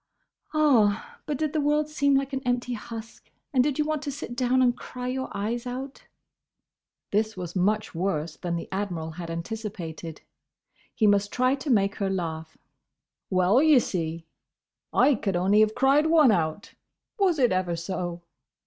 "Ah! but did the world seem like an empty husk? and did you want to sit down and cry your eyes out?" This was much worse than the Admiral had anticipated. He must try to make her laugh. "Well, ye see, I could only have cried one out, was it ever so!"